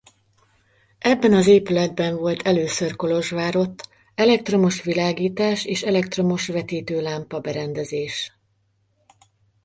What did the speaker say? Ebben az épületben volt először Kolozsvárott elektromos világítás és elektromos vetítőlámpa-berendezés.